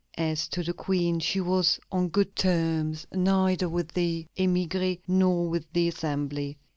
As to the Queen, she was on good terms neither with the émigrés nor with the Assembly.